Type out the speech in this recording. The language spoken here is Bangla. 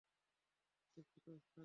এতে ক্ষত সারবে।